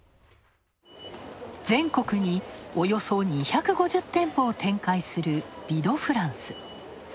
全国におよそ２５０店舗を展開するヴィ・ド・フランス。